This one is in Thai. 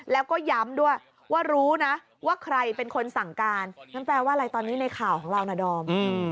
แล้วก็ย้ำด้วยว่ารู้นะว่าใครเป็นคนสั่งการงั้นแปลว่าอะไรตอนนี้ในข่าวของเรานะดอม